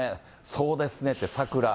そうですねって、サクラ。